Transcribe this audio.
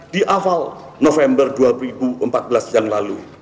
di awal november dua ribu empat belas yang lalu